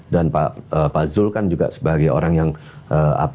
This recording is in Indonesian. dan pak zul kan juga sebagai orang yang sangat demokratis di internal pak prabowo